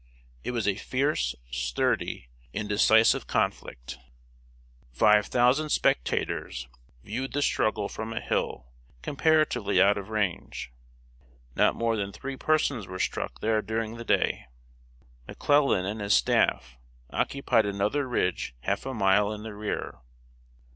It was a fierce, sturdy, indecisive conflict. Five thousand spectators viewed the struggle from a hill comparatively out of range. Not more than three persons were struck there during the day. McClellan and his staff occupied another ridge half a mile in the rear.